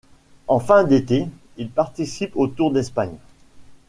En fin d'été, il participe au Tour d'Espagne.